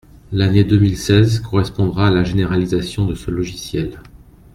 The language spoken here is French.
L’année deux mille seize correspondra à la généralisation de ce logiciel.